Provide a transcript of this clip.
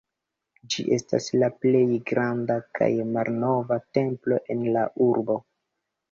Ĝi estas la plej granda kaj malnova templo en la urbo.